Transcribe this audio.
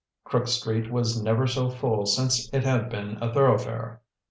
Crook Street was never so full since it had been a thoroughfare.